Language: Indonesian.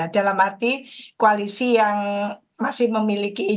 dalam arti koalisi yang masih memiliki ide